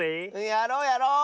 やろうやろう！